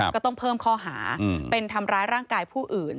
ก็ต้องเพิ่มข้อหาเป็นทำร้ายร่างกายผู้อื่น